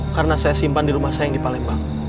karena saya simpan di rumah saya yang di palembang